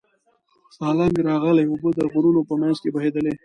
سالنګ راغلې اوبه د غرونو په منځ کې بهېدلې.